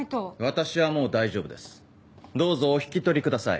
私はもう大丈夫ですどうぞお引き取りください。